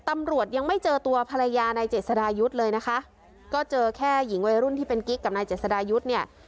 ตำรวจยังไม่เจอตัวภรรยานายเจษดายุทธ์เลยนะคะก็เจอแค่หญิงวัยรุ่นที่เป็นกิ๊กกับนายเจษดายุทธ์เนี่ย